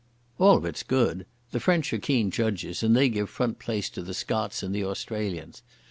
"All of it's good. The French are keen judges and they give front place to the Scots and the Australians.